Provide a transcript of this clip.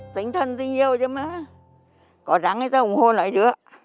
tính thân tính yêu cho mẹ có rắn thì sao ủng hộ lại nữa